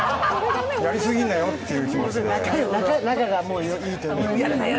やりすぎんなよという気持ちで。